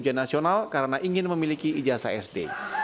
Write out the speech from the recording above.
ujian nasional karena ingin memiliki ijazah sd